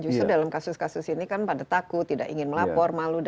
justru dalam kasus kasus ini kan pada takut tidak ingin melapor malu